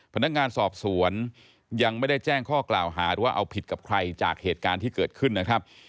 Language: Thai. พนักงานสอบสวนยังไม่ได้แจ้งข้อกล่าวหาหรือว่าเอาผิดกับใครจากเหตุการณ์ที่เกิดขึ้นนะครับ